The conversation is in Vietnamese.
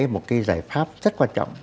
một cái giải pháp rất quan trọng